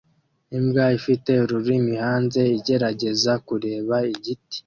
Imbwa ifite ururimi hanze igerageza kureba igiti